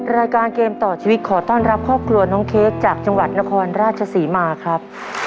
รายการเกมต่อชีวิตขอต้อนรับครอบครัวน้องเค้กจากจังหวัดนครราชศรีมาครับ